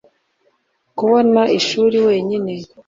kubona ishuri wenyine.